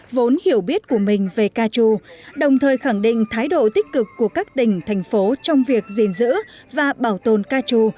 vốn hiểu biết của mình về ca trù đồng thời khẳng định thái độ tích cực của các tỉnh thành phố trong việc gìn giữ và bảo tồn ca trù